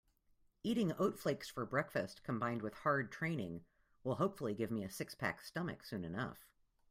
Eating oat flakes for breakfast combined with hard training will hopefully give me a six-pack stomach soon enough.